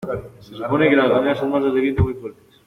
se supone que las galenas son masas de viento muy fuertes